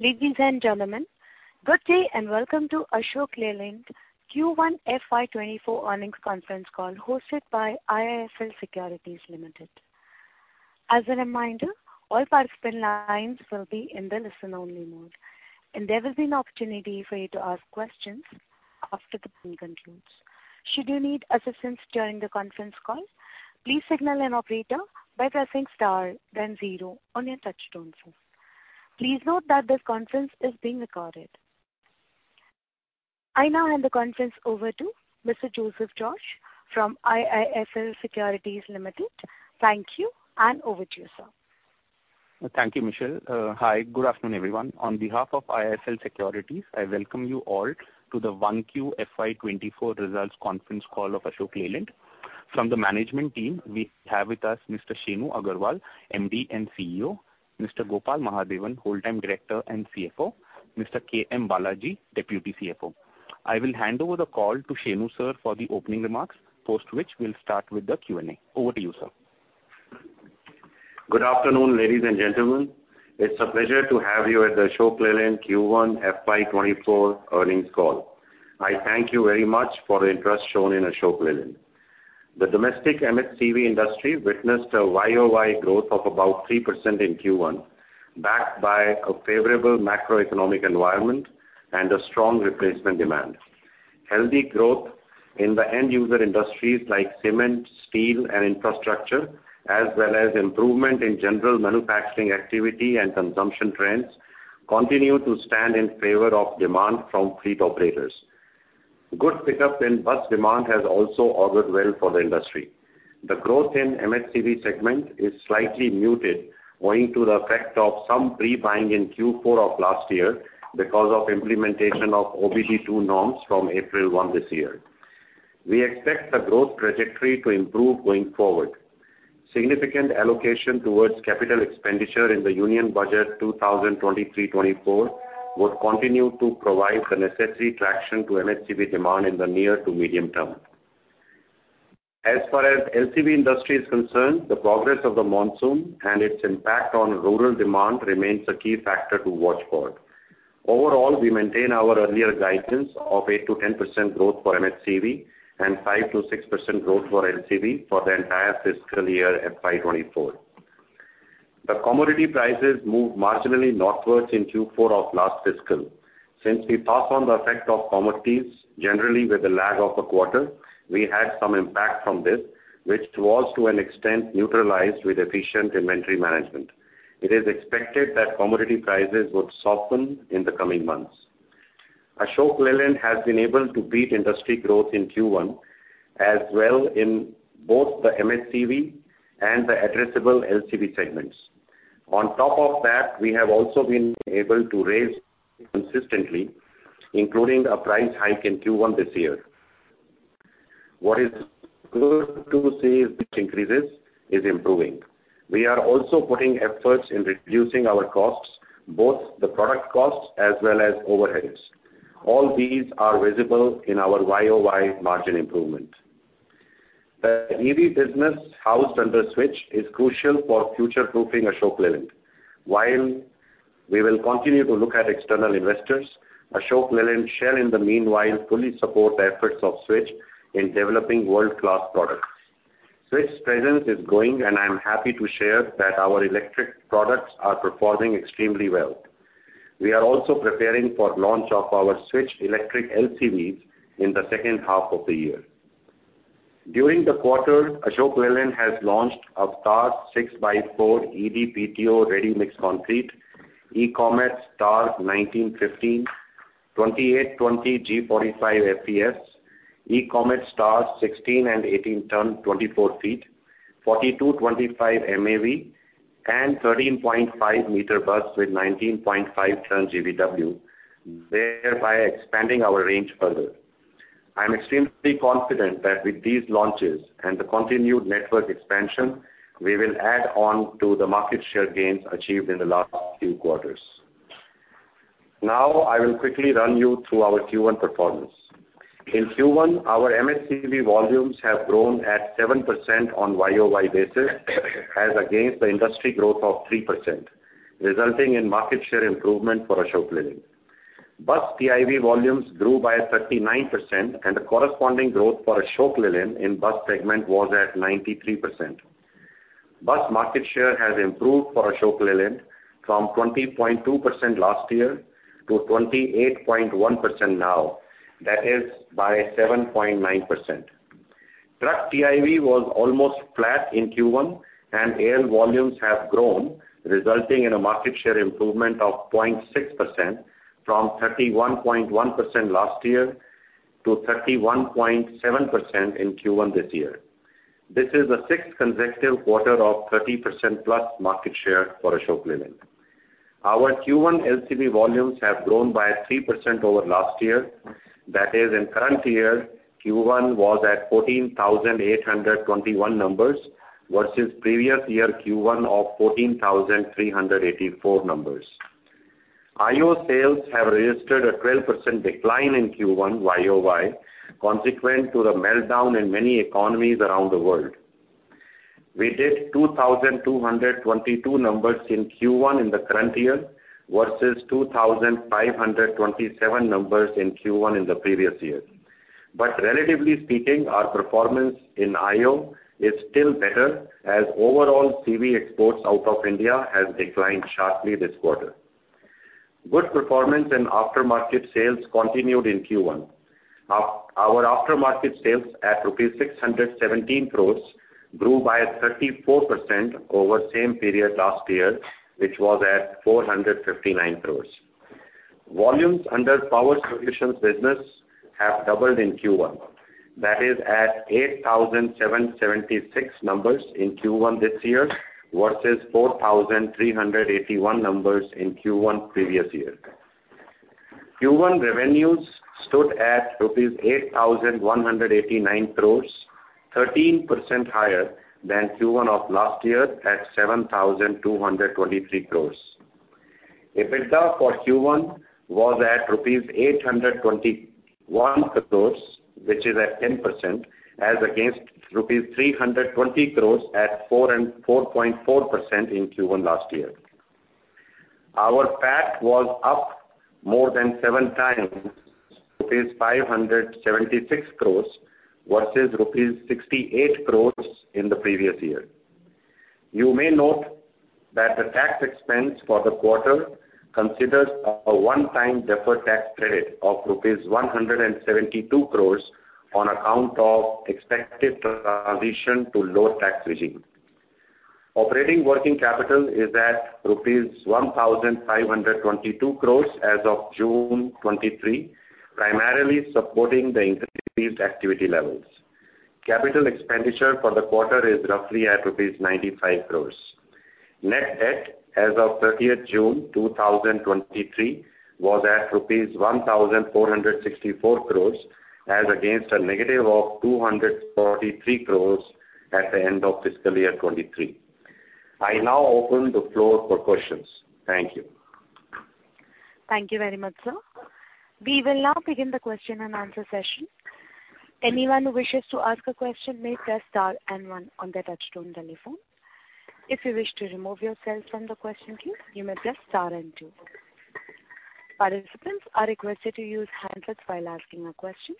Ladies and gentlemen, good day, and welcome to Ashok FY 2024 earnings conference call, hosted by IIFL Securities Limited. As a reminder, all participant lines will be in the listen-only mode, and there will be an opportunity for you to ask questions after the call concludes. Should you need assistance during the conference call, please signal an operator by pressing star then zero on your touchtone phone. Please note that this conference is being recorded. I now hand the conference over to Mr. Joseph George from IIFL Securities Limited. Thank you, and over to you, sir. Thank you, Michelle. Hi, good afternoon, everyone. On behalf of IIFL Securities, I welcome you all to the FY 2024 results conference call of Ashok Leyland. From the management team, we have with us Mr. Shenu Agarwal, MD and CEO, Mr. Gopal Mahadevan, Whole-time Director and CFO, Mr. K.M. Balaji, Deputy CFO. I will hand over the call to Shenu, sir, for the opening remarks, post which we'll start with the Q&A. Over to you, sir. Good afternoon, ladies and gentlemen. It's a pleasure to have you at the Ashok FY 2024 earnings call. I thank you very much for the interest shown in Ashok Leyland. The domestic MHCV industry witnessed a YoY growth of about 3% in Q1, backed by a favorable macroeconomic environment and a strong replacement demand. Healthy growth in the end user industries like cement, steel, and infrastructure, as well as improvement in general manufacturing activity and consumption trends, continue to stand in favor of demand from fleet operators. Good pickup in bus demand has also augured well for the industry. The growth in MHCV segment is slightly muted, owing to the effect of some pre-buying in Q4 of last year because of implementation of OBD2 norms from April 1 this year. We expect the growth trajectory to improve going forward. Significant allocation towards capital expenditure in the Union Budget 2023-2024 would continue to provide the necessary traction to MHCV demand in the near to medium term. As far as LCV industry is concerned, the progress of the monsoon and its impact on rural demand remains a key factor to watch for. Overall, we maintain our earlier guidance of 8%-10% growth for MHCV and 5%-6% growth for LCV for the entire fiscal FY 2024. The commodity prices moved marginally northwards in Q4 of last fiscal. Since we pass on the effect of commodities, generally with a lag of a quarter, we had some impact from this, which was to an extent neutralized with efficient inventory management. It is expected that commodity prices would soften in the coming months. Ashok Leyland has been able to beat industry growth in Q1, as well in both the MHCV and the addressable LCV segments. On top of that, we have also been able to raise consistently, including a price hike in Q1 this year. What is good to see is increases is improving. We are also putting efforts in reducing our costs, both the product costs as well as overheads. All these are visible in our YoY margin improvement. The EV business housed under Switch is crucial for future-proofing Ashok Leyland. While we will continue to look at external investors, Ashok Leyland share in the meanwhile, fully support the efforts of Switch in developing world-class products. Switch presence is growing, and I am happy to share that our electric products are performing extremely well. We are also preparing for launch of our Switch electric LCVs in the second half of the year. During the quarter, Ashok Leyland has launched AVTR 6x4 EDPTO Ready Mix Concrete, ecomet Star 1915, 2820 G 45 FPS, ecomet Star 16 and 18 ton, 24 feet, 4225 MAV, and 13.5 m bus with 19.5 ton GVW, thereby expanding our range further. I am extremely confident that with these launches and the continued network expansion, we will add on to the market share gains achieved in the last few quarters. Now, I will quickly run you through our Q1 performance. In Q1, our MHCV volumes have grown at 7% on YoY basis, as against the industry growth of 3%, resulting in market share improvement for Ashok Leyland. Bus PIV volumes grew by 39%, and the corresponding growth for Ashok Leyland in bus segment was at 93%. Bus market share has improved for Ashok Leyland from 20.2% last year to 28.1% now, that is by 7.9%. Truck PIV was almost flat in Q1, and AL volumes have grown, resulting in a market share improvement of 0.6% from 31.1% last year to 31.7% in Q1 this year. This is the sixth consecutive quarter of 30%+ market share for Ashok Leyland. Our Q1 LCV volumes have grown by 3% over last year. That is, in current year, Q1 was at 14,821 numbers, versus previous year Q1 of 14,384 numbers. IO sales have registered a 12% decline in Q1, YoY, consequent to the meltdown in many economies around the world. We did 2,222 numbers in Q1 in the current year, versus 2,527 numbers in Q1 in the previous year. Relatively speaking, our performance in IO is still better, as overall CV exports out of India has declined sharply this quarter. Good performance in aftermarket sales continued in Q1. Our aftermarket sales, at rupees 617 crores, grew by 34% over same period last year, which was at 459 crores. Volumes under power solutions business have doubled in Q1. That is at 8,776 numbers in Q1 this year, versus 4,381 numbers in Q1 previous year. Q1 revenues stood at rupees 8,189 crores, 13% higher than Q1 of last year, at 7,223 crores. EBITDA for Q1 was at rupees 821 crores, which is at 10%, as against rupees 320 crores at 4.4% in Q1 last year. Our PAT was up more than 7x, rupees 576 crores versus rupees 68 crores in the previous year. You may note that the tax expense for the quarter considers a one-time deferred tax credit of rupees 172 crores on account of expected transition to low tax regime. Operating working capital is at rupees 1,522 crores as of June 2023, primarily supporting the increased activity levels. Capital expenditure for the quarter is roughly at rupees 95 crores. Net debt as of 30th June, 2023, was at rupees 1,464 crores, as against a negative of 243 crores at the end of fiscal year 2023. I now open the floor for questions. Thank you. Thank you very much, sir. We will now begin the question-and-answer session. Anyone who wishes to ask a question may press star and one on their touchtone telephone. If you wish to remove yourself from the question queue, you may press star and two. Participants are requested to use handsets while asking a question.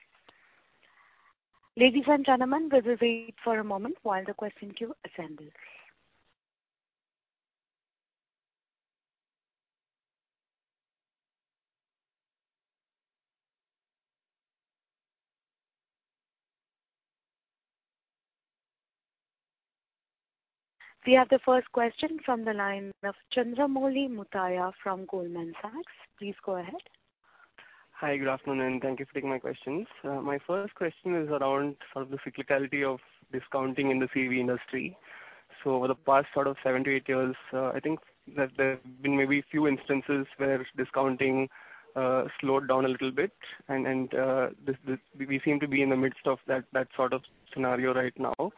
Ladies and gentlemen, we will wait for a moment while the question queue assembles. We have the first question from the line of Chandramouli Muthiah from Goldman Sachs. Please go ahead. Hi, good afternoon, and thank you for taking my questions. My first question is around sort of the cyclicality of discounting in the CV industry. Over the past sort of seven to eight years, I think that there have been maybe a few instances where discounting slowed down a little bit. This we seem to be in the midst of that sort of scenario right now.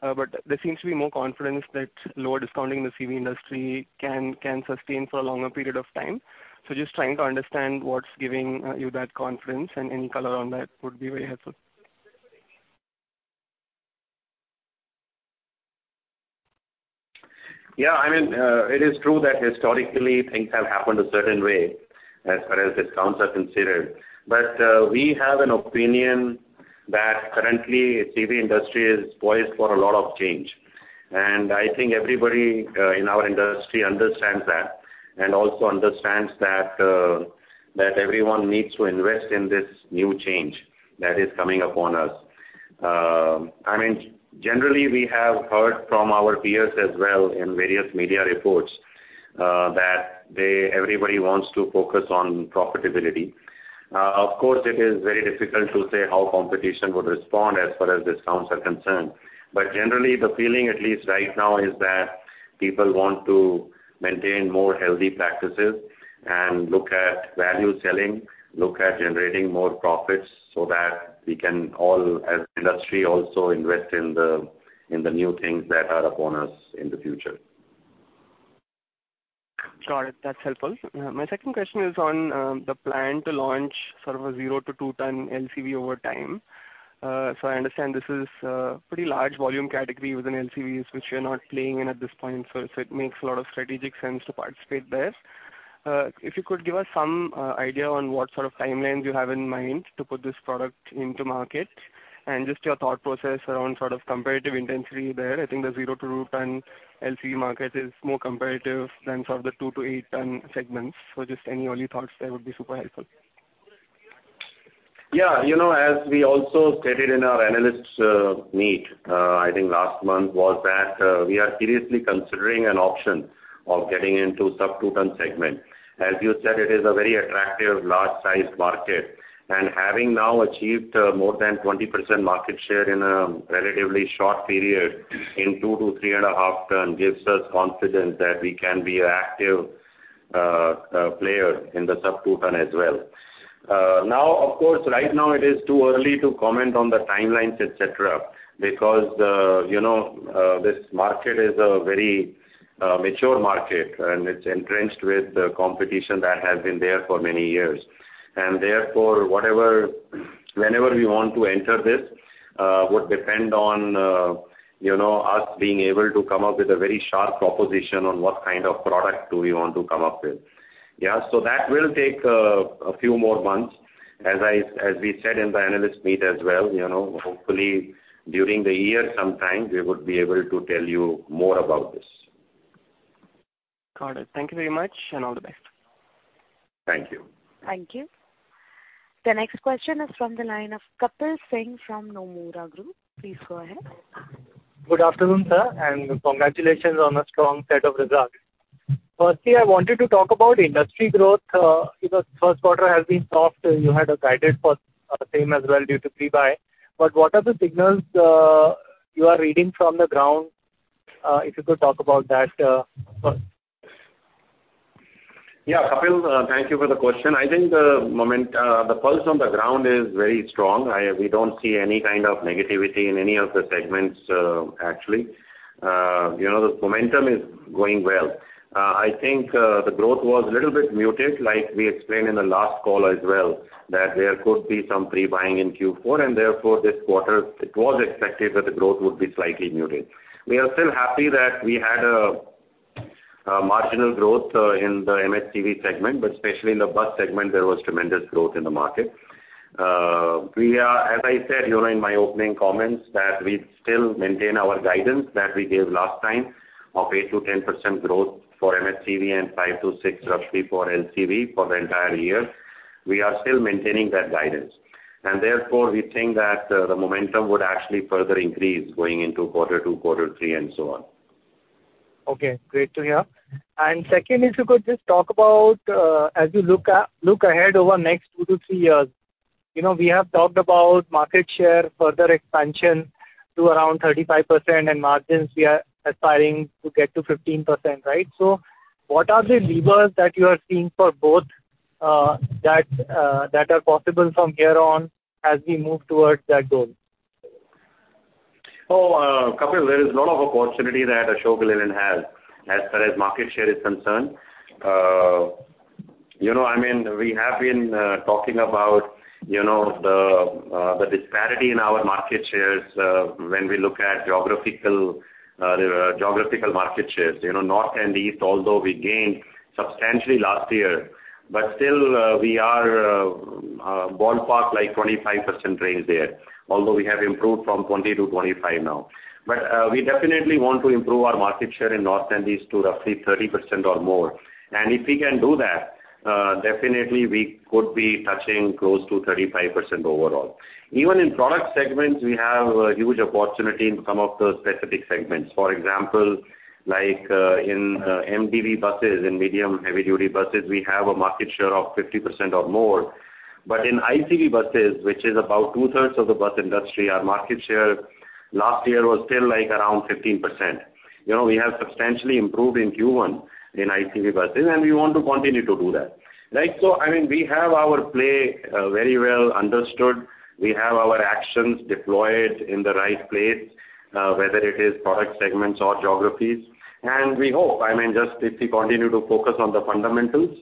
There seems to be more confidence that lower discounting in the CV industry can sustain for a longer period of time. Just trying to understand what's giving you that confidence, and any color on that would be very helpful. Yeah, I mean, it is true that historically things have happened a certain way as far as discounts are considered. We have an opinion that currently, CV industry is poised for a lot of change, and I think everybody in our industry understands that, and also understands that everyone needs to invest in this new change that is coming upon us. I mean, generally, we have heard from our peers as well in various media reports, everybody wants to focus on profitability. Of course, it is very difficult to say how competition would respond as far as discounts are concerned. Generally, the feeling, at least right now, is that people want to maintain more healthy practices and look at value selling, look at generating more profits, so that we can all, as industry, also invest in the, in the new things that are upon us in the future. Got it. That's helpful. My second question is on the plan to launch sort of a zero to two ton LCV over time. I understand this is pretty large volume category within LCVs, which you're not playing in at this point, so it makes a lot of strategic sense to participate there. If you could give us some idea on what sort of timelines you have in mind to put this product into market, and just your thought process around sort of competitive intensity there. I think the zero to two ton LCV market is more competitive than sort of the two to eight ton segments. Just any early thoughts there would be super helpful. You know, as we also stated in our analysts meet, I think last month, was that we are seriously considering an option of getting into sub two ton segment. As you said, it is a very attractive, large-sized market, having now achieved, more than 20% market share in a relatively short period in 2-3.5 ton, gives us confidence that we can be an active player in the sub two ton as well. Now, of course, right now it is too early to comment on the timelines, et cetera, because, you know, this market is a very mature market, and it's entrenched with the competition that has been there for many years. Therefore, whatever, whenever we want to enter this, would depend on, you know, us being able to come up with a very sharp proposition on what kind of product do we want to come up with. That will take a few more months. As we said in the analyst meet as well, you know, hopefully, during the year sometime, we would be able to tell you more about this. Got it. Thank you very much. All the best. Thank you. Thank you. The next question is from the line of Kapil Singh from Nomura Group. Please go ahead. Good afternoon, sir, congratulations on a strong set of results. Firstly, I wanted to talk about industry growth because first quarter has been soft, and you had guided for same as well due to pre-buy. What are the signals you are reading from the ground? If you could talk about that first. Kapil, thank you for the question. I think the pulse on the ground is very strong. We don't see any kind of negativity in any of the segments, actually. You know, the momentum is going well. I think the growth was a little bit muted, like we explained in the last call as well, that there could be some pre-buying in Q4, and therefore this quarter, it was expected that the growth would be slightly muted. We are still happy that we had a marginal growth in the MHCV segment, but especially in the bus segment, there was tremendous growth in the market. We are... As I said, you know, in my opening comments, that we still maintain our guidance that we gave last time of 8%-10% growth for MHCV and 5%-6%, roughly, for LCV for the entire year. We are still maintaining that guidance. Therefore, we think that the momentum would actually further increase going into Q2, Q3, and so on. Okay, great to hear. Secondly, if you could just talk about, as you look ahead over the next two to three years, you know, we have talked about market share, further expansion to around 35% and margins we are aspiring to get to 15%, right? What are the levers that you are seeing for both, that are possible from here on as we move towards that goal? Kapil, there is a lot of opportunity that Ashok Leyland has as far as market share is concerned. You know, I mean, we have been talking about, you know, the disparity in our market shares when we look at geographical market shares. You know, North and East, although we gained substantially last year, but still, we are ballpark, like 25% range there, although we have improved from 20 to 25 now. We definitely want to improve our market share in North and East to roughly 30% or more. If we can do that, definitely we could be touching close to 35% overall. Even in product segments, we have a huge opportunity in some of the specific segments. For example, like, in MHDB buses, in medium heavy duty buses, we have a market share of 50% or more. But in ICV buses, which is about two-thirds of the bus industry, our market share last year was still, like, around 15%. You know, we have substantially improved in Q1 in ICV buses, and we want to continue to do that, right? I mean, we have our play very well understood. We have our actions deployed in the right place, whether it is product segments or geographies. We hope, I mean, just if we continue to focus on the fundamentals,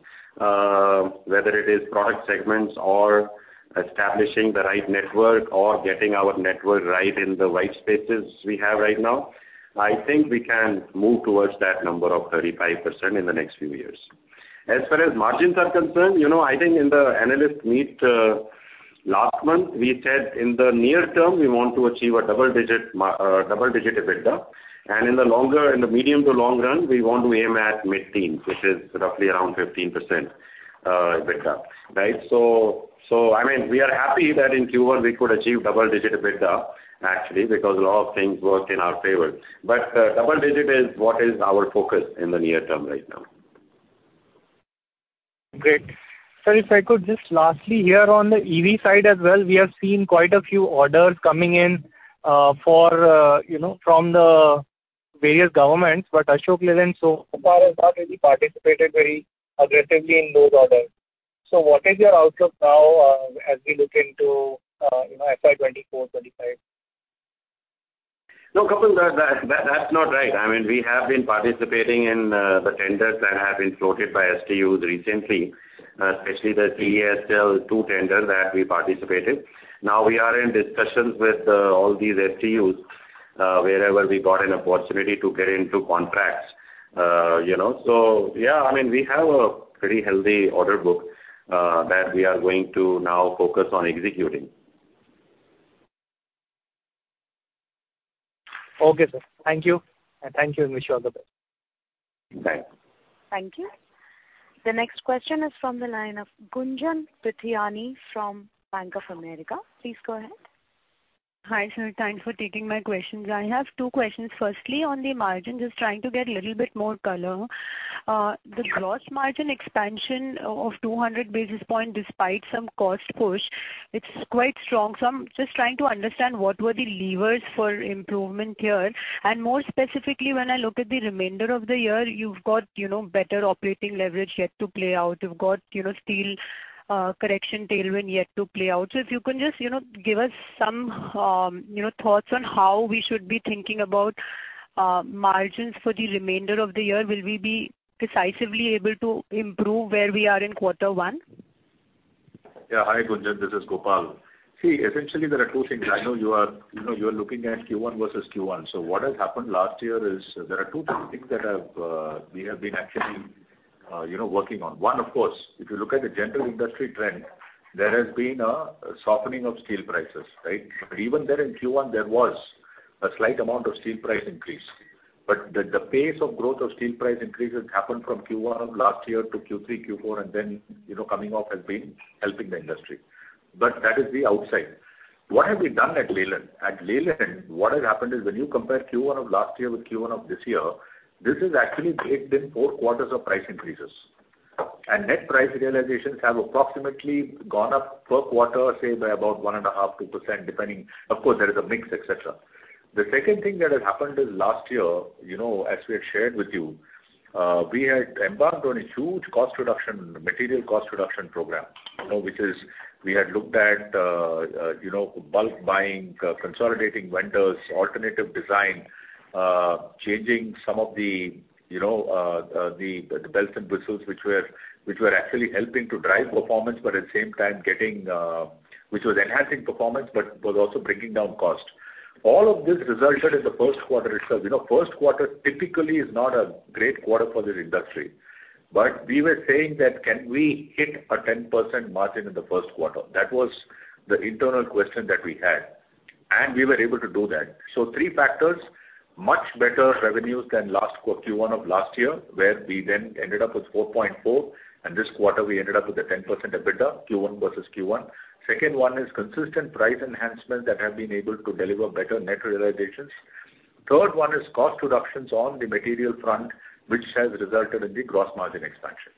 whether it is product segments or establishing the right network or getting our network right in the white spaces we have right now, I think we can move towards that number of 35% in the next few years. As far as margins are concerned, you know, I think in the analyst meet last month, we said in the near term, we want to achieve a double-digit EBITDA. In the longer, in the medium to long run, we want to aim at mid-teen, which is roughly around 15% EBITDA, right? I mean, we are happy that in Q1 we could achieve double-digit EBITDA, actually, because a lot of things worked in our favor. Double digit is what is our focus in the near term right now. Great. Sir, if I could just lastly, here on the EV side as well, we have seen quite a few orders coming in, for, you know, from the various governments, Ashok Leyland so far has not really participated very aggressively in those orders. What is your outlook now, as we look into, you FY 2024, 2025? No, Kapil, that's not right. I mean, we have been participating in the tenders that have been floated by STUs recently, especially the CSL 2 tender that we participated. We are in discussions with all these STUs, wherever we got an opportunity to get into contracts, you know. Yeah, I mean, we have a pretty healthy order book that we are going to now focus on executing. Okay, sir. Thank you. Thank you, and wish you all the best. Thanks. Thank you. The next question is from the line of Gunjan Prithyani from Bank of America. Please go ahead. Hi, sir, thanks for taking my questions. I have two questions. Firstly, on the margin, just trying to get a little bit more color. The gross margin expansion of 200 basis points, despite some cost push, it's quite strong. I'm just trying to understand what were the levers for improvement here. More specifically, when I look at the remainder of the year, you've got, you know, better operating leverage yet to play out. You've got, you know, steel, correction tailwind yet to play out. If you can just, you know, give us some, you know, thoughts on how we should be thinking about margins for the remainder of the year, will we be decisively able to improve where we are in quarter one? Yeah, hi, Gunjan, this is Gopal. See, essentially, there are two things. I know you are, you know, you are looking at Q1 versus Q1. What has happened last year is there are two things that have we have been actually, you know, working on. One, of course, if you look at the general industry trend, there has been a softening of steel prices, right? Even there in Q1, there was a slight amount of steel price increase. The pace of growth of steel price increases happened from Q1 of last year to Q3, Q4, and then, you know, coming off has been helping the industry. That is the outside. What have we done at Leyland? At Leyland, what has happened is when you compare Q1 of last year with Q1 of this year, this is actually baked in four quarters of price increases. Net price realizations have approximately gone up per quarter, say, by about 1.5%-2%, depending, of course, there is a mix, et cetera. The second thing that has happened is last year, you know, as we have shared with you, we had embarked on a huge cost reduction, material cost reduction program. You know, which is we had looked at, you know, bulk buying, consolidating vendors, alternative design, changing some of the, you know, the belts and whistles, which were actually helping to drive performance, but at the same time, which was enhancing performance, but was also bringing down cost. All of this resulted in the first quarter itself. You know, first quarter typically is not a great quarter for this industry. We were saying that can we hit a 10% margin in the first quarter? That was the internal question that we had, and we were able to do that. Three factors, much better revenues than last Q1 of last year, where we then ended up with 4.4%, and this quarter we ended up with a 10% EBITDA, Q1 versus Q1. Second one is consistent price enhancements that have been able to deliver better net realizations. Third one is cost reductions on the material front, which has resulted in the gross margin expansion.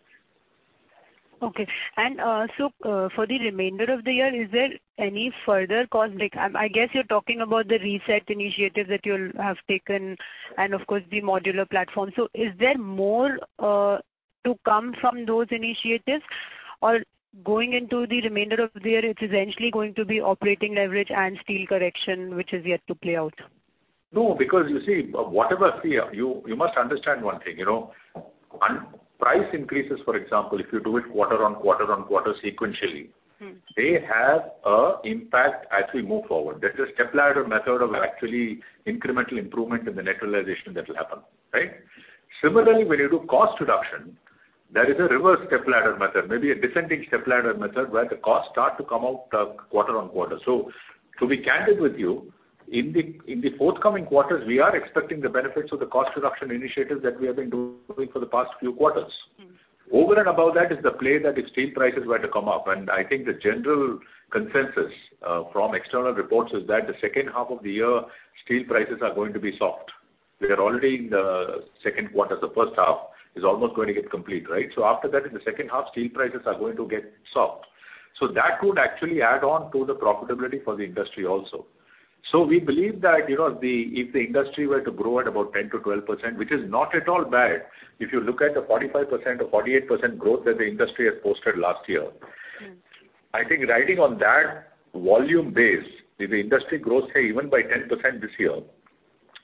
Okay. For the remainder of the year, is there any further cost? Like, I guess you're talking about the reset initiatives that you'll have taken and of course, the modular platform. Is there more to come from those initiatives? Going into the remainder of the year, it's essentially going to be operating leverage and steel correction, which is yet to play out. No, because you see, whatever, you must understand one thing, you know. One, price increases, for example, if you do it quarter-on-quarter sequentially. they have a impact as we move forward. There's a stepladder method of actually incremental improvement in the net realization that will happen, right? Similarly, when you do cost reduction, there is a reverse stepladder method, maybe a descending stepladder method, where the costs start to come out, quarter on quarter. To be candid with you, in the, in the forthcoming quarters, we are expecting the benefits of the cost reduction initiatives that we have been doing for the past few quarters. Over and above that is the play that if steel prices were to come up, and I think the general consensus from external reports is that the second half of the year, steel prices are going to be soft. We are already in the second quarter. The first half is almost going to get complete, right? After that, in the second half, steel prices are going to get soft. We believe that, you know, if the industry were to grow at about 10%-12%, which is not at all bad, if you look at the 45% or 48% growth that the industry has posted last year. I think riding on that volume base, if the industry grows, say, even by 10% this year,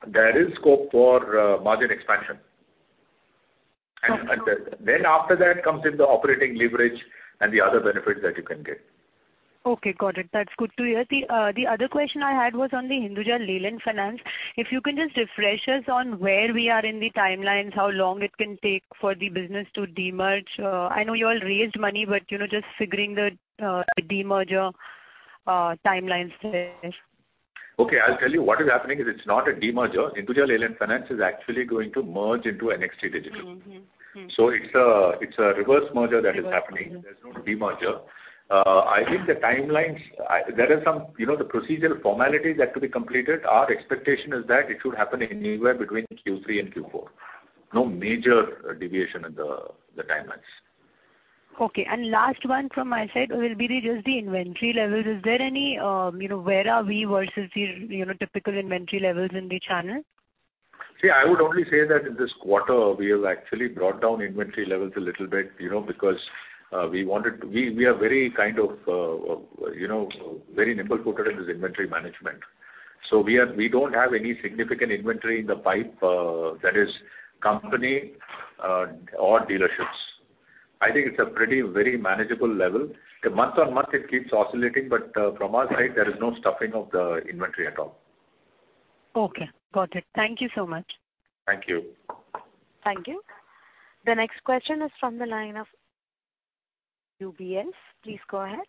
there is scope for margin expansion. Got you. Then after that comes in the operating leverage and the other benefits that you can get. Okay, got it. That's good to hear. The other question I had was on the Hinduja Leyland Finance. If you can just refresh us on where we are in the timelines, how long it can take for the business to demerge? I know you all raised money, but, you know, just figuring the demerger timelines there. Okay, I'll tell you what is happening is it's not a demerger. Hinduja Leyland Finance is actually going to merge into NXTDIGITAL. It's a reverse merger that is happening. Reverse. There's no demerger. I think the timelines, there are some, you know, the procedural formalities that could be completed. Our expectation is that it should happen anywhere between Q3 and Q4. No major deviation in the timelines. Okay. Last one from my side will be just the inventory levels. Is there any, you know, where are we versus the, you know, typical inventory levels in the channel? I would only say that in this quarter, we have actually brought down inventory levels a little bit, you know, because we are very kind of, you know, very nimble-footed in this inventory management. We don't have any significant inventory in the pipe, that is company or dealerships. I think it's a pretty, very manageable level. Month on month, it keeps oscillating, but from our side, there is no stuffing of the inventory at all. Okay, got it. Thank you so much. Thank you. Thank you. The next question is from the line of UBS. Please go ahead.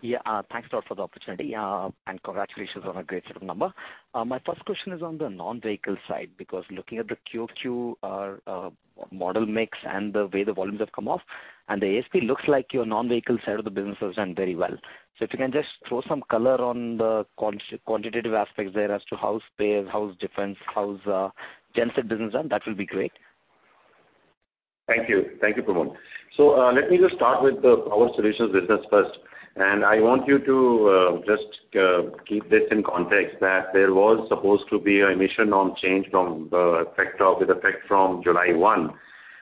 Yeah, thanks a lot for the opportunity, and congratulations on a great set of number. My first question is on the non-vehicle side, because looking at the QOQ, model mix and the way the volumes have come off, and the ASP looks like your non-vehicle side of the business has done very well. If you can just throw some color on the quantitative aspects there as to how's sales, how's defense, how's gen set business done, that will be great. Thank you. Thank you, Pramon. Let me just start with the power solutions business first, and I want you to, just, keep this in context, that there was supposed to be an emission norm change from, with effect from July 1,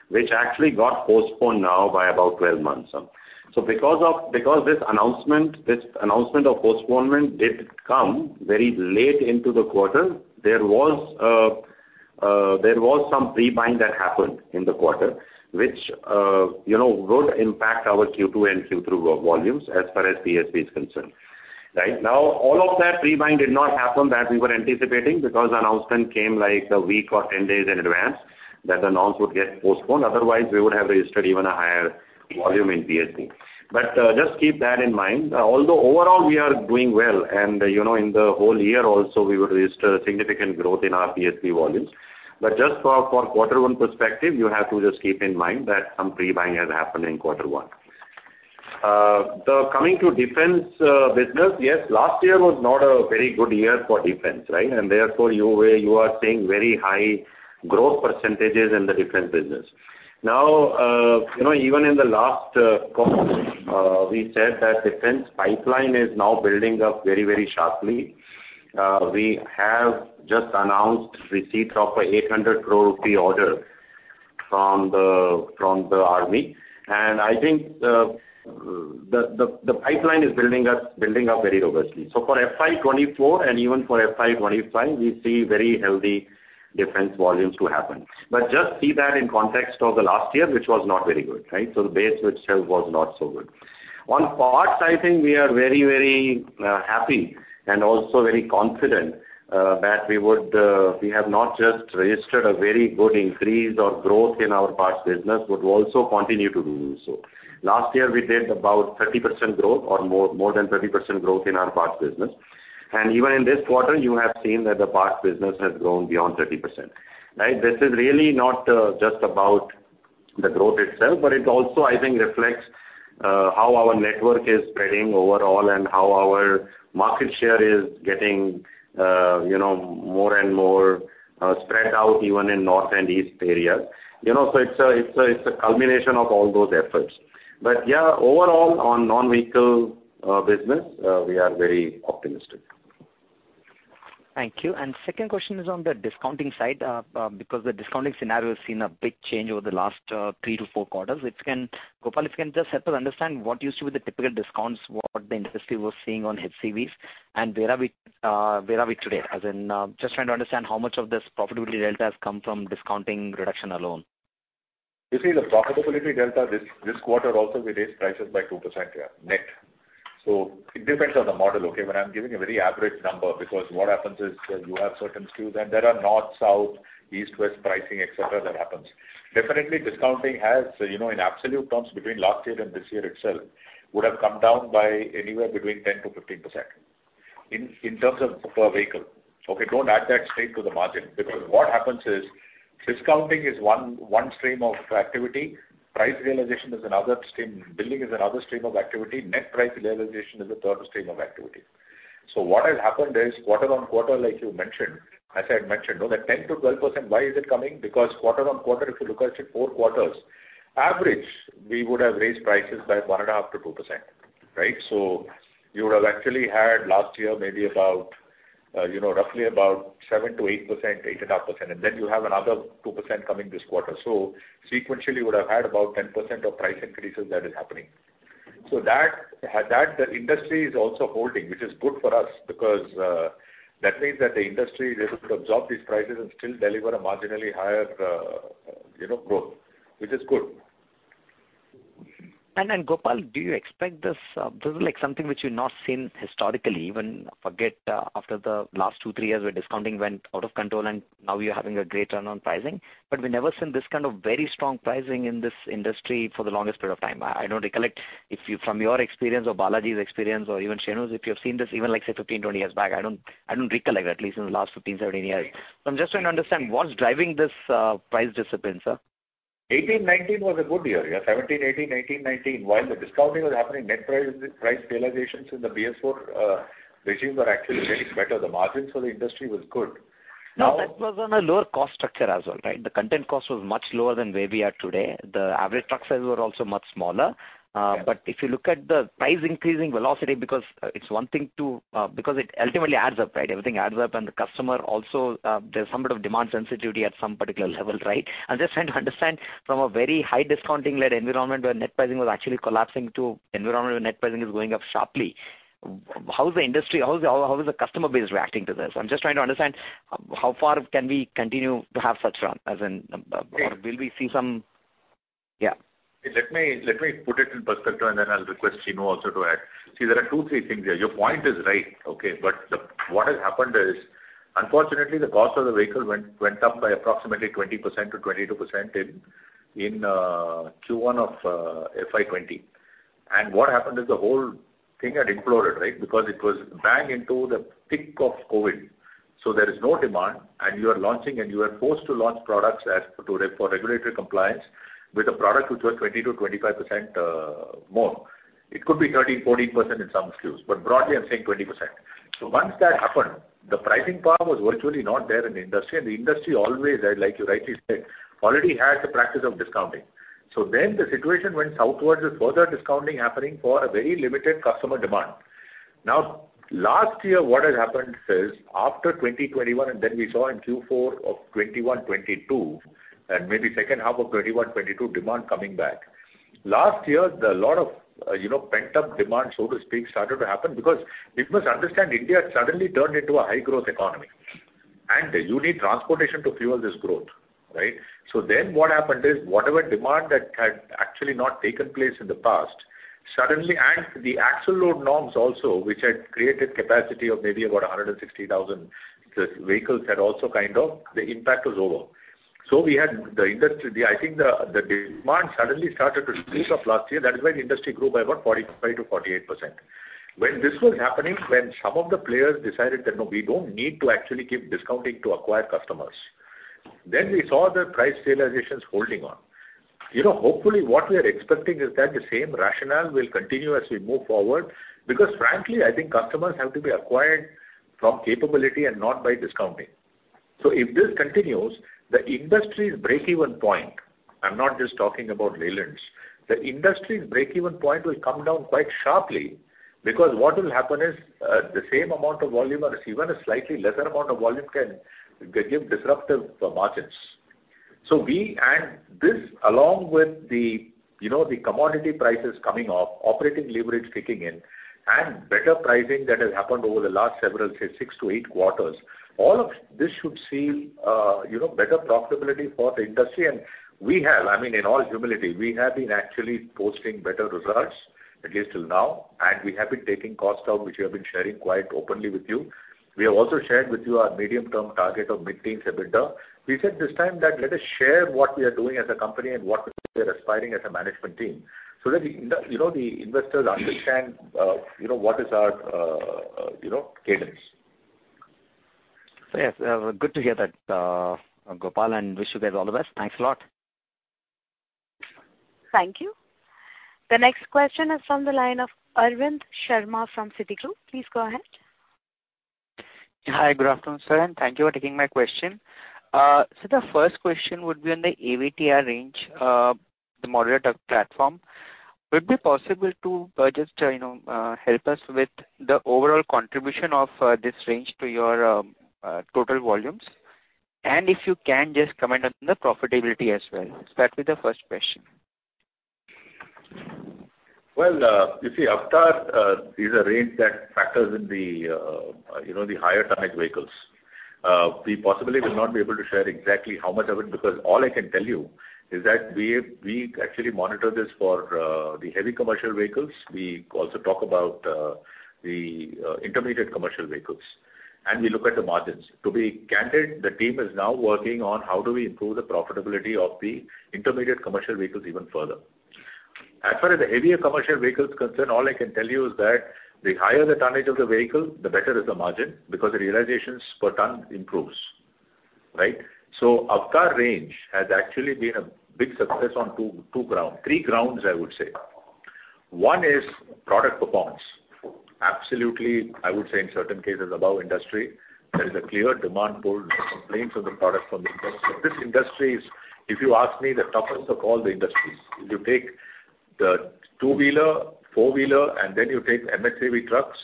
which actually got postponed now by about 12 months some. Because this announcement of postponement did come very late into the quarter, there was some pre-buying that happened in the quarter, which, you know, would impact our Q2 and Q3 volumes as far as PSP is concerned, right? All of that pre-buying did not happen that we were anticipating, because the announcement came like a week or 10 days in advance, that the launch would get postponed. Otherwise, we would have registered even a higher volume in PSP. Just keep that in mind. Although overall, we are doing well, and, you know, in the whole year also, we would register significant growth in our PSP volumes. Just for quarter one perspective, you have to just keep in mind that some pre-buying has happened in quarter one. The coming to defense business, yes, last year was not a very good year for defense, right? Therefore, you are seeing very high growth percentages in the defense business. Now, you know, even in the last call, we said that defense pipeline is now building up very, very sharply. We have just announced receipts of a 800 crore rupee order from the, from the Army. I think, the pipeline is building up very robustly. FY 2024 and even FY 2025, we see very healthy defense volumes to happen. Just see that in context of the last year, which was not very good, right? The base itself was not so good. On parts, I think we are very, very happy and also very confident that we would, we have not just registered a very good increase or growth in our parts business, but also continue to do so. Last year, we did about 30% growth or more than 30% growth in our parts business. Even in this quarter, you have seen that the parts business has grown beyond 30%, right? This is really not just about the growth itself, but it also, I think, reflects how our network is spreading overall and how our market share is getting, you know, more and more spread out even in north and east areas. You know, so it's a culmination of all those efforts. Yeah, overall, on non-vehicle business, we are very optimistic. Thank you. Second question is on the discounting side, because the discounting scenario has seen a big change over the last three to four quarters. Gopal, if you can just help us understand what used to be the typical discounts, what the industry was seeing on HCVs, and where are we today? As in, just trying to understand how much of this profitability delta has come from discounting reduction alone. You see, the profitability delta, this quarter also, we raised prices by 2%, yeah, net. It depends on the model, okay? I'm giving a very average number, because what happens is, you have certain SKUs, and there are north, south, east, west pricing, et cetera, that happens. Definitely, discounting has, you know, in absolute terms, between last year and this year itself, would have come down by anywhere between 10%-15% in terms of per vehicle. Okay, don't add that straight to the margin, because what happens is, discounting is one stream of activity, price realization is another stream, billing is another stream of activity, net price realization is the third stream of activity. What has happened is, quarter-on-quarter, like you mentioned, as I had mentioned, know that 10%-12%, why is it coming? Quarter-on-quarter, if you look at it, four quarters, average, we would have raised prices by 1.5%-2%, right? You would have actually had last year, maybe about, you know, roughly about 7%-8%, 8.5%, and then you have another 2% coming this quarter. Sequentially, you would have had about 10% of price increases that is happening. That, the industry is also holding, which is good for us, because that means that the industry is able to absorb these prices and still deliver a marginally higher, you know, growth, which is good. Gopal, do you expect this is like something which you've not seen historically, even forget, after the last two, two years, where discounting went out of control, and now you're having a great turn on pricing. We've never seen this kind of very strong pricing in this industry for the longest period of time. I don't recollect if you, from your experience or Balaji's experience or even Shenu's, if you have seen this even, like, say, 15, 20 years back, I don't recollect, at least in the last 15, 17 years. I'm just trying to understand, what's driving this price discipline, sir? 2018, 2019 was a good year. Yeah, 2017, 2018, 2019. While the discounting was happening, net price realizations in the BS4 regimes were actually getting better. The margins for the industry was good. That was on a lower cost structure as well, right? The content cost was much lower than where we are today. The average truck sizes were also much smaller. Yeah. If you look at the price increasing velocity, because it's one thing. Because it ultimately adds up, right? Everything adds up, the customer also, there's some bit of demand sensitivity at some particular level, right? I'm just trying to understand from a very high discounting-led environment, where net pricing was actually collapsing, to environment where net pricing is going up sharply, how is the industry, how is the customer base reacting to this? I'm just trying to understand how far can we continue to have such run. Great. Will we see some. Yeah. Let me put it in perspective, and then I'll request Shenu also to add. See, there are two, three things here. Your point is right, okay, but what has happened is, unfortunately, the cost of the vehicle went up by approximately 20%-22% in Q1 of FY 2020. What happened is the whole thing had imploded, right? Because it was bang into the thick of COVID. There is no demand, and you are launching, and you are forced to launch products as to, for regulatory compliance with a product which was 20%-25% more. It could be 13%, 14% in some SKUs, but broadly, I'm saying 20%. Once that happened, the pricing power was virtually not there in the industry, and the industry always, like you rightly said, already had the practice of discounting. The situation went outwards with further discounting happening for a very limited customer demand. Last year, what had happened is after 2021, we saw in Q4 of 2021, 2022, maybe second half of 2021, 2022, demand coming back. Last year, the lot of, you know, pent-up demand, so to speak, started to happen because you must understand, India suddenly turned into a high growth economy, and you need transportation to fuel this growth, right? What happened is, whatever demand that had actually not taken place in the past, suddenly, and the axle load norms also, which had created capacity of maybe about 160,000 vehicles, had also kind of the impact was over. We had the industry, I think the demand suddenly started to shoot up last year. That is why the industry grew by about 45%-48%. When this was happening, when some of the players decided that, no, we don't need to actually keep discounting to acquire customers, we saw the price realizations holding on. You know, hopefully, what we are expecting is that the same rationale will continue as we move forward. Frankly, I think customers have to be acquired from capability and not by discounting. If this continues, the industry's breakeven point, I'm not just talking about Leyland's, the industry's breakeven point will come down quite sharply. What will happen is, the same amount of volume or even a slightly lesser amount of volume can give disruptive margins. We, and this, along with the, you know, the commodity prices coming off, operating leverage kicking in, and better pricing that has happened over the last several, say, six to eight quarters, all of this should see, you know, better profitability for the industry. We have, I mean, in all humility, we have been actually posting better results, at least till now, and we have been taking costs down, which we have been sharing quite openly with you. We have also shared with you our medium-term target of mid-teens EBITDA. We said this time that let us share what we are doing as a company and what we are aspiring as a management team, so that the, you know, the investors understand, you know, what is our, you know, cadence. Yes, good to hear that, Gopal, and wish you guys all the best. Thanks a lot. Thank you. The next question is from the line of Arvind Sharma from Citigroup. Please go ahead. Hi, good afternoon, sir, and thank you for taking my question. The first question would be on the AVTR range, the modular platform. Would it be possible to, just, you know, help us with the overall contribution of this range to your total volumes? If you can, just comment on the profitability as well. Start with the first question. Well, you see, AVTR is a range that factors in the, you know, the higher tonnage vehicles. We possibly will not be able to share exactly how much of it, because all I can tell you is that we actually monitor this for the heavy commercial vehicles. We also talk about the intermediate commercial vehicles, and we look at the margins. To be candid, the team is now working on how do we improve the profitability of the intermediate commercial vehicles even further. As far as the heavier commercial vehicles are concerned, all I can tell you is that the higher the tonnage of the vehicle, the better is the margin, because the realizations per ton improves, right? AVTR range has actually been a big success on three grounds, I would say. One is product performance. Absolutely, I would say in certain cases, above industry, there is a clear demand pull for complaints on the product from the industry. This industry is, if you ask me, the toughest of all the industries. If you take the two-wheeler, four-wheeler, and then you take MHCV trucks,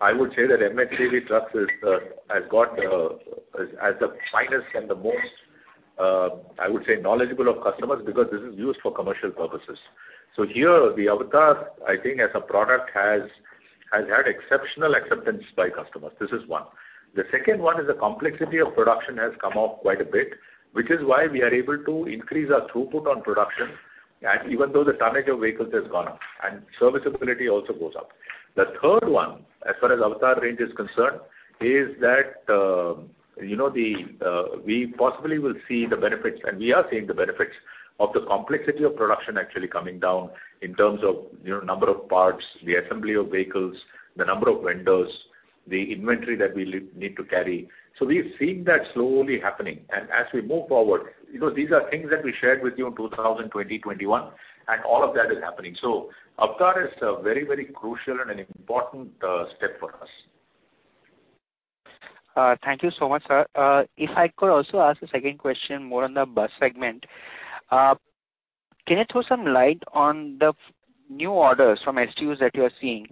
I would say that MHCV trucks is has got the finest and the most, I would say, knowledgeable of customers, because this is used for commercial purposes. Here, the AVTR, I think as a product, has had exceptional acceptance by customers. This is one. The second one is the complexity of production has come off quite a bit, which is why we are able to increase our throughput on production, even though the tonnage of vehicles has gone up and serviceability also goes up. The third one, as far as AVTR range is concerned, is that, you know, the, we possibly will see the benefits, and we are seeing the benefits of the complexity of production actually coming down in terms of, you know, number of parts, the assembly of vehicles, the number of vendors, the inventory that we need to carry. We're seeing that slowly happening. As we move forward, you know, these are things that we shared with you in 2020, 2021, and all of that is happening. AVTR is a very, very crucial and an important, step for us. Thank you so much, sir. If I could also ask a second question, more on the bus segment. Can you throw some light on the new orders from STUs that you are seeing?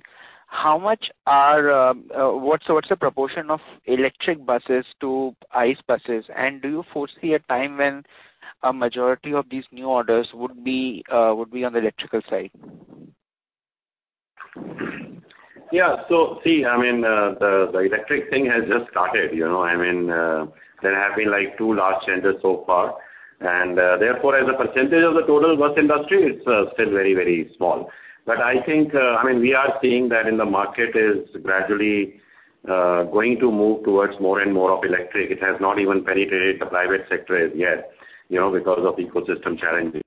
How much are, what's the proportion of electric buses to ICE buses? Do you foresee a time when a majority of these new orders would be on the electrical side? Yeah. See, I mean, the electric thing has just started, you know. I mean, there have been, like, two large tenders so far, and therefore, as a percentage of the total bus industry, it's still very, very small. I think, I mean, we are seeing that in the market is gradually going to move towards more and more of electric. It has not even penetrated the private sector as yet, you know, because of ecosystem challenges.